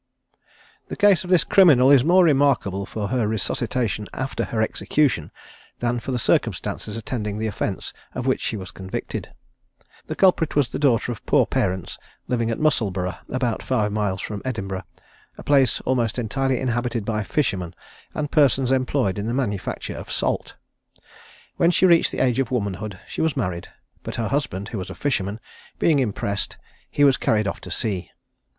The case of this criminal is more remarkable for her resuscitation after her execution, than for the circumstances attending the offence of which she was convicted. The culprit was the daughter of poor parents living at Musselburgh, about five miles from Edinburgh, a place almost entirely inhabited by fishermen and persons employed in the manufacture of salt. When she reached the age of womanhood, she was married, but her husband, who was a fisherman, being impressed, he was carried off to sea.